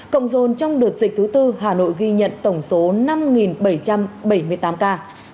cộng dồn trong đợt dịch thứ tư hà nội ghi nhận tổng số năm bảy trăm bảy mươi tám ca